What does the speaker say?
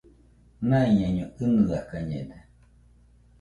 Naiñaiño ɨnɨakañede